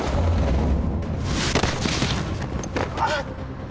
あっ！